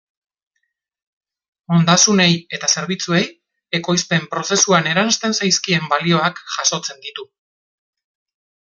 Ondasunei eta zerbitzuei ekoizpen-prozesuan eransten zaizkien balioak jasotzen ditu.